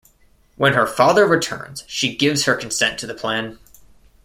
When her father returns she gives her consent to the plan.